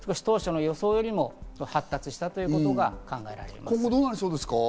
当初の予想よりも発達したということが考えられます。